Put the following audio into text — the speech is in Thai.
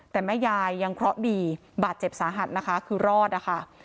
แต่แม่ยายยังเคราะห์ดีบาดเจ็บสาหัสนะคะคือรอดนะคะ